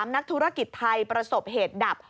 นักธุรกิจไทยประสบเหตุดับ